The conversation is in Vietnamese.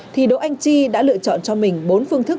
thì đỗ anh chi đã lựa chọn cho mình bốn phương thức